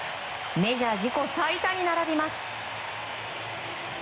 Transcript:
メジャー自己最多に並びます。